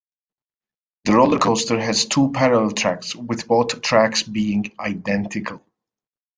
The roller coaster has two parallel tracks, with both tracks being identical.